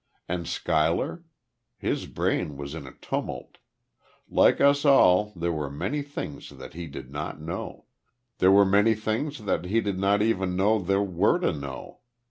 And Schuyler? His brain was in a tumult. Like us all, there were many things that he did not know there were many things that he did not even know there were to know....